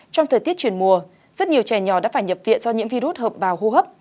trong thời tiết chuyển mùa rất nhiều trẻ nhỏ đã phải nhập viện do nhiễm virus hợp bào hô hấp